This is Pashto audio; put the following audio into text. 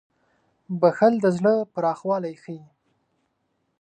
• بښل د زړه پراخوالی ښيي.